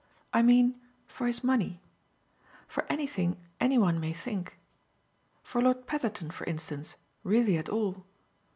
I mean for his money. For anything any one may think. For Lord Petherton, for instance, really at all.